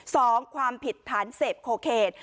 ความผิดฐานเสพโคเคน